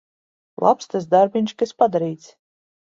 Labs tas darbiņš, kas padarīts.